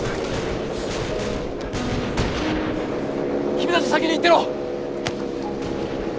君たち先に行ってろ！